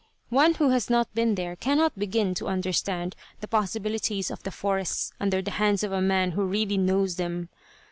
One who has not been there cannot begin to understand the possibilities of the forests under the hands of a man who really knows them.